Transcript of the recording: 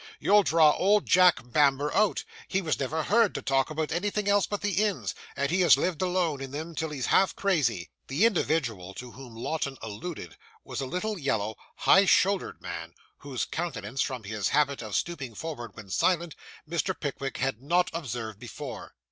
You'll draw old Jack Bamber out; he was never heard to talk about anything else but the inns, and he has lived alone in them till he's half crazy.' The individual to whom Lowten alluded, was a little, yellow, high shouldered man, whose countenance, from his habit of stooping forward when silent, Mr. Pickwick had not observed before.